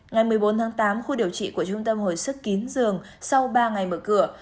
ngày một mươi bốn tháng tám khu điều trị của trung tâm hồi sức kín giường sau ba ngày mở cửa